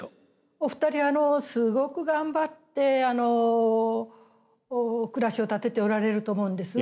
お二人すごく頑張って暮らしを立てておられると思うんです。